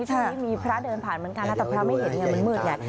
ช่วงนี้มีพระเดินผ่านเหมือนกันนะแต่พระไม่เห็นไงมันมืดไง